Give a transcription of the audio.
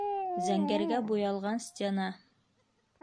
Зәңгәргә буялған стена